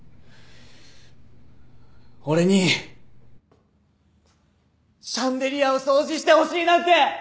俺にシャンデリアを掃除してほしいなんて！